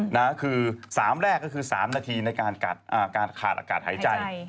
และ๓แรกคือ๓นาทีในการขาดอากาศหายใจ